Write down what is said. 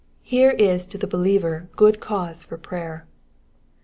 Here is to the believer good cause for prayer.